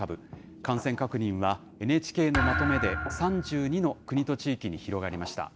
感染確認はＮＨＫのまとめで３２の国と地域に広がりました。